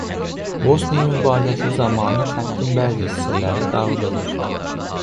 Bosniya müharibəsi zamanı xəttin bəzi hissələri dağıdılır.